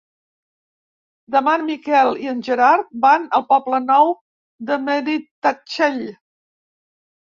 Demà en Miquel i en Gerard van al Poble Nou de Benitatxell.